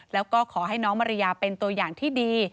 แล้วก็ขอให้น้องมาริยาเป็นตัวอย่างที่ดี